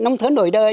nóng thớn đổi đời